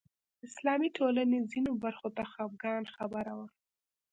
اسلامي ټولنې ځینو برخو ته خپګان خبره وه